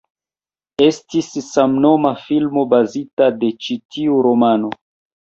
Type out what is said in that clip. Estis samnoma filmo bazita de ĉi tiu romano.